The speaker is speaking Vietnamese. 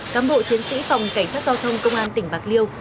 cám bộ chiến sĩ phòng cảnh sát giao thông công an tỉnh bạc liêu